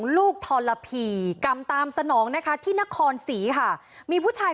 ลูกทรพีกรรมตามสนองนะคะที่นครศรีค่ะมีผู้ชาย